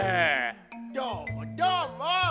どーもどーも。